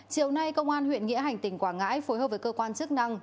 chiều nay công an huyện nghĩa hành tỉnh quảng ngãi phối hợp với cơ quan chức năng